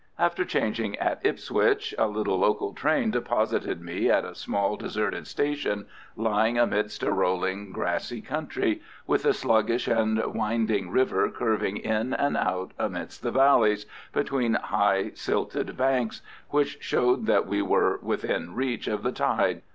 After changing at Ipswich, a little local train deposited me at a small, deserted station lying amidst a rolling grassy country, with a sluggish and winding river curving in and out amidst the valleys, between high, silted banks, which showed that we were within reach of the tide.